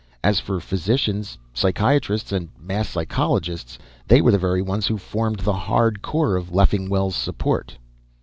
As for physicians, psychiatrists and mass psychologists, they were the very ones who formed the hard core of Leffingwell's support.